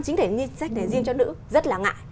chính sách này riêng cho nữ rất là ngại